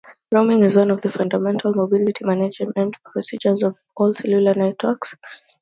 Roaming is one of the fundamental mobility management procedures of all cellular networks.